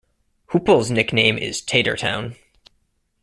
Hoople's nickname is Tatertown.